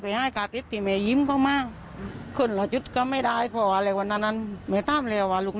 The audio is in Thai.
พี่นึกออกไหมเหมือนเขาเรียกข้าวส้มรสมาร